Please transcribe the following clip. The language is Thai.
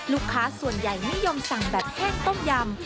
ลูกค้าส่วนใหญ่นิยมสั่งแบบแห้งต้มยำ